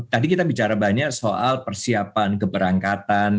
tadi kita bicara banyak soal persiapan keberangkatan